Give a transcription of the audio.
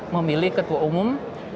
memilih ketua umum